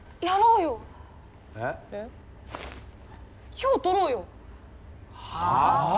今日撮ろうよ。はあ！？